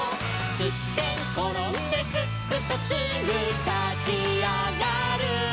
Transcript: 「すってんころんですっくとすぐたちあがる」